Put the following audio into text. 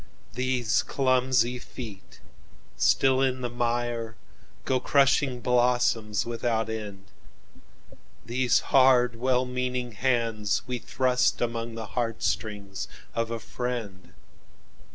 "These clumsy feet, still in the mire, Go crushing blossoms without end; These hard, well meaning hands we thrustAmong the heart strings of a friend.